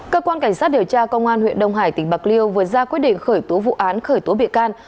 cơ quan cảnh sát điều tra công an huyện đông hải tỉnh bạc liêu vừa ra quyết định khởi tố vụ án khởi tố bị can